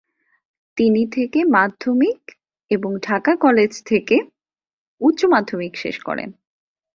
তিনি থেকে মাধ্যমিক এবং ঢাকা কলেজ থেকে উচ্চ মাধ্যমিক শেষ করেন।